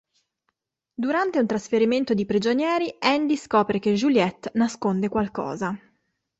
Durante un trasferimento di prigionieri Andy scopre che Juliette nasconde qualcosa.